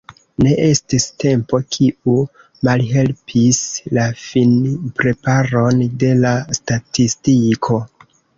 Ne estis "tempo", kiu malhelpis la finpreparon de la statistiko.